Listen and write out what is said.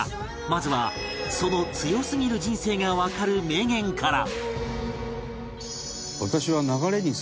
まずはその強すぎる人生がわかる名言から